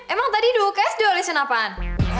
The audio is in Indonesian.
emang tadi duk sd oleh senapan